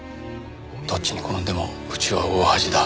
どっちに転んでもうちは大恥だ。